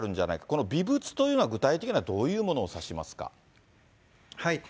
この微物というのは具体的にはどういうものを指しますか。